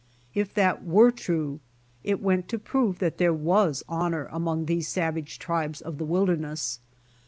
If that were true, it went to prove that there was honor among these savage tribes of the wilderness.